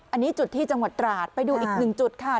อันนี้จุดที่จังหวัดตราดไปดูอีกหนึ่งจุดค่ะ